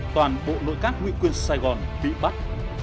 toàn bộ nội các ngụy quyền sài gòn bị bắt